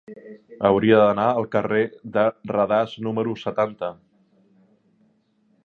Hauria d'anar al carrer de Radas número setanta.